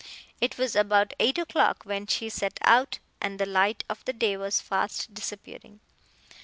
It was about eight o'clock when she set out and the light of day was fast disappearing.